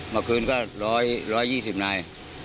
เมื่อคืนก็๑๒๐นาย